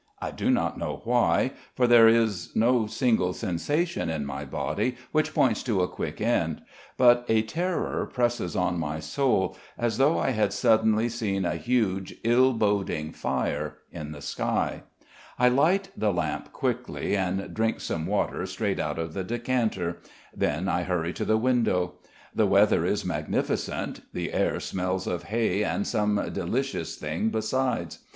I do not know why, for there is no single sensation in my body which points to a quick end; but a terror presses on my soul as though I had suddenly seen a huge, ill boding fire in the sky. I light the lamp quickly and drink some water straight out of the decanter. Then I hurry to the window. The weather is magnificent. The air smells of hay and some delicious thing besides.